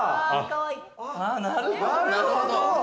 なるほど。